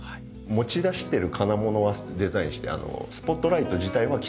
持ち出してる金物はデザインしてスポットライト自体は既製品を使っている。